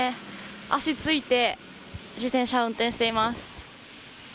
足ついて自転車を運転しています。